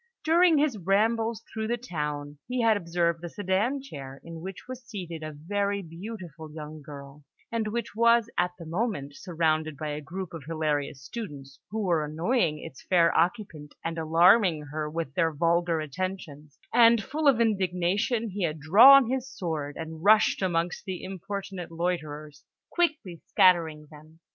During his rambles through the town, he had observed a sedan chair in which was seated a very beautiful young girl, and which was at the moment surrounded by a group of hilarious students, who were annoying its fair occupant, and alarming her with their vulgar attentions; and, full of indignation, he had drawn his sword, and rushed amongst the importunate loiterers, quickly scattering them.